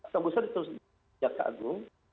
tembusan itu ya kak agung